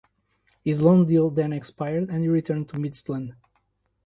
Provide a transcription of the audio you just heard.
His loan deal then expired and he returned to Midtjylland.